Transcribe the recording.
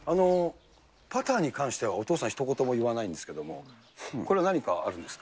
パターに関しては、お父さんひと言も言わないんですけども、これは何かあるんですか。